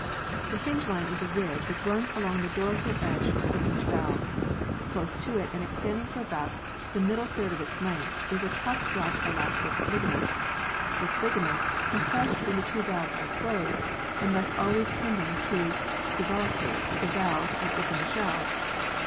The hinge line is a ridge which runs along the dorsal edge of each valve. Close to it and extending for about the middle third of its length is a tough black elastic ligament. This ligament, compressed when the two valves are closed, is thus always tending to divaricate the valves and open the shell.